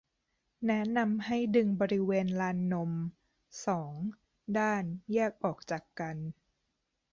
แนะนำให้ดึงบริเวณลานนม สอง ด้านแยกออกจากกัน